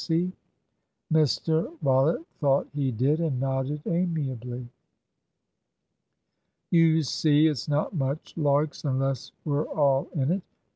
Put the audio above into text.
See?" Mr Rollitt thought he did, and nodded amiably. "You see, it's not much larks unless we're all in it.